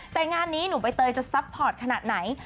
แต่งานนี้หนุ่มใบเตยจะซัพพอร์ตขนาดไหน